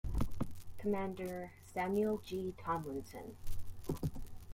Commander Samuel G. Tomlinson.